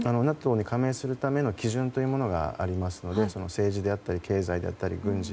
ＮＡＴＯに加盟するための基準がありますので政治であったり経済であったり、軍事。